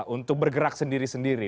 untuk bergerak sendiri sendiri